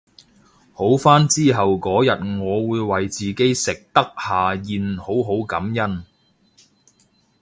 好返之後嗰日我會為自己食得下嚥好好感恩